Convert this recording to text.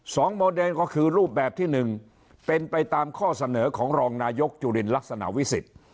โมเดนก็คือรูปแบบที่หนึ่งเป็นไปตามข้อเสนอของรองนายกจุลินลักษณะวิสิทธิ์